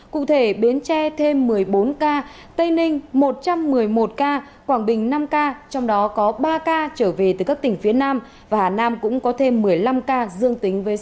cụ thể bến tre thêm một mươi bốn ca tây ninh một trăm một mươi một ca quảng bình năm ca trong đó có ba ca trở về từ các tỉnh phía nam và hà nam cũng có thêm một mươi năm ca dương tính với số ca